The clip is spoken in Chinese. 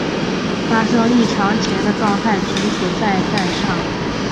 发生异常前的状态存储在栈上。